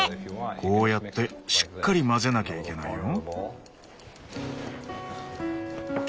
こうやってしっかり混ぜなきゃいけないよ。